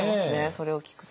それを聞くと。